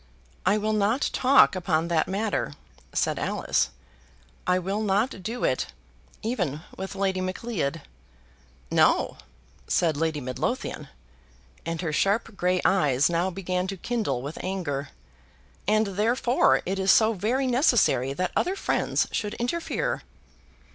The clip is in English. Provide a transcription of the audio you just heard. "I will not talk upon that matter," said Alice. "I will not do it even with Lady Macleod." "No," said Lady Midlothian, and her sharp grey eyes now began to kindle with anger; "and therefore it is so very necessary that other friends should interfere."